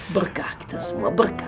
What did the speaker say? berkah kita semua berkah